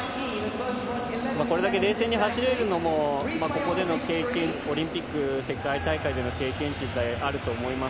これだけ冷静に走るのもオリンピック、世界大会での経験値であると思います。